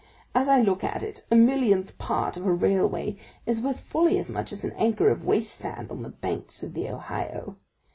As I look at it, a millionth part of a railway is worth fully as much as an acre of waste land on the banks of the Ohio.